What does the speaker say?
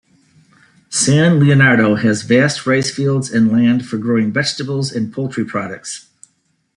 San Leonardo has vast rice fields and land for growing vegetables and poultry products.